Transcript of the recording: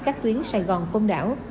các tuyến sài gòn công đảo